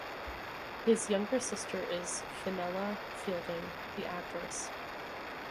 His younger sister is Fenella Fielding, the actress.